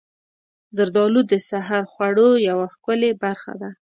زردالو د سحر خوړو یوه ښکلې برخه ده.